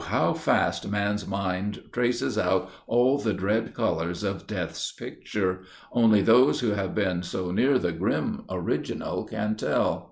how fast man's mind traces out all the dread colors of death's picture, only those who have been so near the grim original can tell.